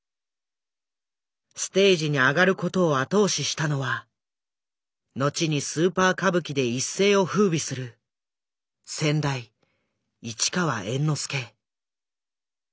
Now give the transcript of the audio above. ステージに上がる事を後押ししたのは後にスーパー歌舞伎で一世を風靡する先代市川猿之助。